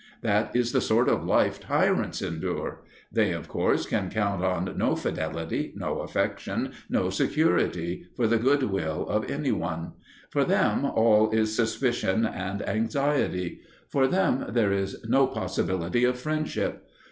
That is the sort of life tyrants endure. They, of course, can count on no fidelity, no affection, no security for the goodwill of any one. For them all is suspicion and anxiety; for them there is no possibility of friendship.